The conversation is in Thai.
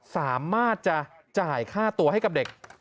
สามารถจะจ่ายค่าตัวให้กับเด็ก